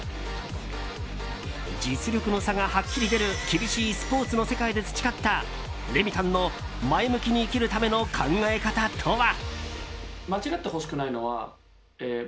実力の差がはっきり出るスポーツの世界で培ったレミたんの前向きに生きるための考え方とは。